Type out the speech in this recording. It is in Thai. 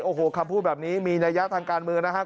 โอ้โหคำพูดแบบนี้มีนัยะทางการเมืองนะครับ